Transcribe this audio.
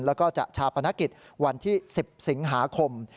แล้วก็จะชาปนกิจวันที่๑๐สิงหาคม